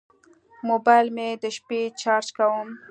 موبایل مې د شپې چارج کوم.